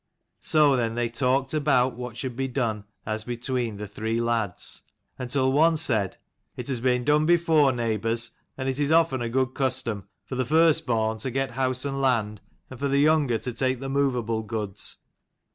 So then they talked about what should be done as between the three lads ; until one said, " It has been done before, neighbours, and it is often a good custom, for the first born to get house and land, and for the younger to take the movable goods.